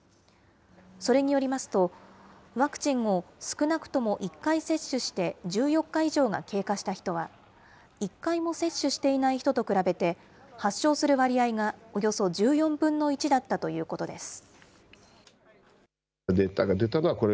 それによりますと、ワクチンを少なくとも１回接種して１４日以上が経過した人は、１回も接種していない人と比べて、発症する割合がおよそ１４分の１だったということです。